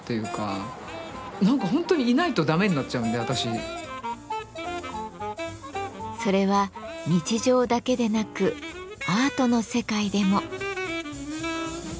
何か本当にそれは日常だけでなくアートの世界でも。